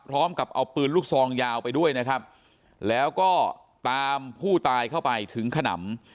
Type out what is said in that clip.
พร้อมกับเอาปืนลูกซองยาวไปด้วยนะครับแล้วก็ตามผู้ตายเข้าไปถึงขนำ